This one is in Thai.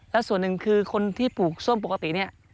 แล้วส่วนหนึ่งคือคนที่ปลูกส้มปกติเนี่ย